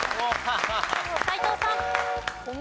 斎藤さん。